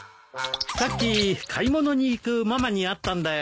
さっき買い物に行くママに会ったんだよ。